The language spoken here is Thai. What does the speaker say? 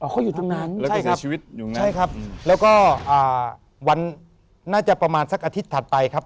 อ๋อเขาอยู่ตรงนั้นใช่ครับแล้วก็วันน่าจะประมาณสักอาทิตย์ถัดไปครับ